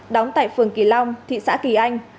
đóng tại phường kỳ long thị xã kỳ anh